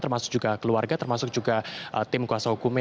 termasuk juga keluarga termasuk juga tim kuasa hukumnya